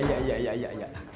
tunggu sebentar ya